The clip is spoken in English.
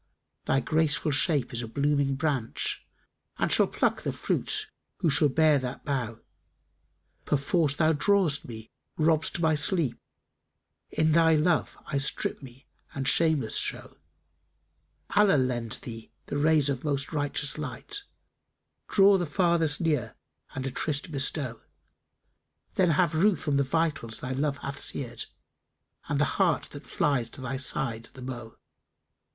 Thy graceful shape is a blooming branch, * And shall pluck the fruits who shall bear that bough. Perforce thou drawest me, robst my sleep; * In thy love I strip me and shameless show:[FN#291] Allah lend thee the rays of most righteous light, * Draw the farthest near and a tryst bestow: Then have ruth on the vitals thy love hath seared, * And the heart that flies to thy side the mo'e!"